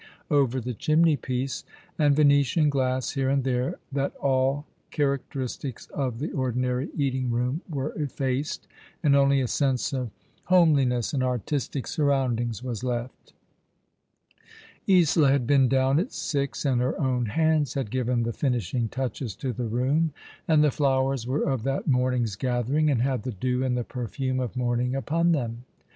over the chimney piece, and Vene tian glass here and there, that all characteristics of the ordinary eating room were effaced, and only a sense of home liness and artistic surroundings was left. Isola had been down at six, and her own hands had given the finishing touches to the room, and the flowers were of that morning's gathering, and had the dew and the perfume of morning upon them.